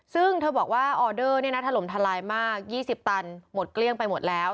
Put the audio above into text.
ซึ่งเธอบอกว่าออเดอร์ถล่มทลายมาก๒๐ตันหมดเกลี้ยงไปหมดแล้ว